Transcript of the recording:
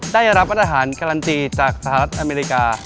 ได้รับอาหารการันตีจากสหรัฐอเมริกา